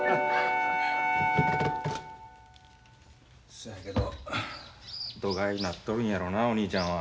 そやけどどがいなっとるんやろなお兄ちゃんは。